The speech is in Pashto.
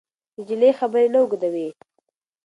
نجلۍ خبرې نه اوږدوي.